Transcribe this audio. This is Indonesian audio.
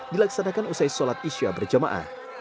dilaksanakan usai sholat isya berjamaah